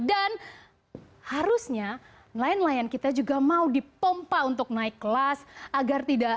dan harusnya nelayan nelayan kita juga mau dipompa untuk naik kelas agar tidak